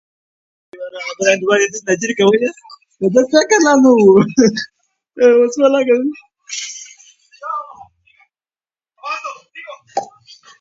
نړیوالو معیارونو ته باید پام وشي.